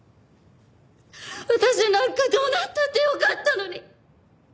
私なんかどうなったってよかったのに！